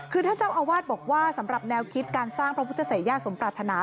คือท่านเจ้าอาวาสบอกว่าสำหรับแนวคิดการสร้างพระพุทธศัยญาติสมปรารถนา